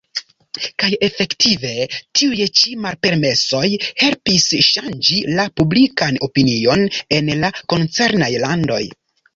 Kaj efektive tiuj ĉi malpermesoj helpis ŝanĝi la publikan opinion en la koncernaj landoj.